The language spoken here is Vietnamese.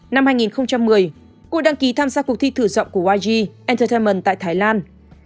năm hai nghìn một mươi cô đăng ký tham gia cuộc thi thử dọng của yg entertainment tại thái lan